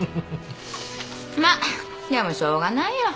まあでもしょうがないよ。